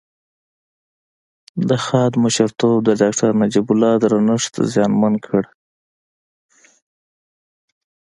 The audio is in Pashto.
د خاد مشرتوب د داکتر نجيب الله درنښت زیانمن کړ